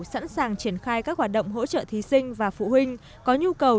sẵn sàng triển khai các hoạt động hỗ trợ thí sinh và phụ huynh có nhu cầu